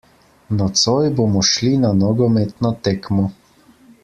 Nocoj bomo šli na nogometno tekmo.